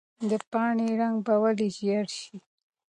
د پاڼې رنګ به ولې ژېړ شي؟